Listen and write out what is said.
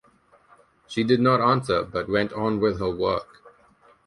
She did not answer, but went on with her work.